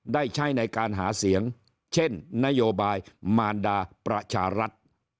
ได้ใช้ในการหาเสียงเช่นนโยบายมารดาประชารัฐ